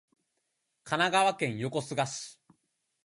神奈川県横須賀市